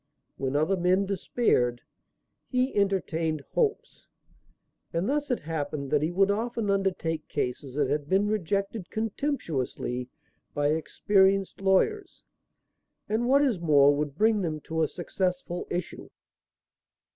When other men despaired, he entertained hopes; and thus it happened that he would often undertake cases that had been rejected contemptuously by experienced lawyers, and, what is more, would bring them to a successful issue.